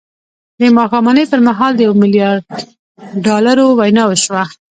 د ماښامنۍ پر مهال د يوه ميليارد ډالرو وينا وشوه.